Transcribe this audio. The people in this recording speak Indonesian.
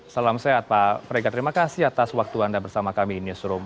salam sehat pak frega terima kasih atas waktu anda bersama kami di newsroom